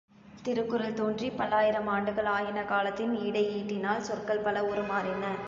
திருக்குறள் தோன்றிப் பல்லாயிரம் ஆண்டுகள் ஆயின காலத்தின் இடையீட்டினால், சொற்கள் பல உருமாறின.